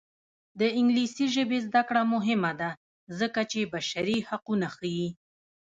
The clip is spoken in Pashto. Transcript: د انګلیسي ژبې زده کړه مهمه ده ځکه چې بشري حقونه ښيي.